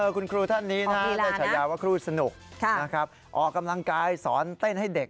คุณครูท่านนี้ได้ฉายาว่าครูสนุกออกกำลังกายสอนเต้นให้เด็ก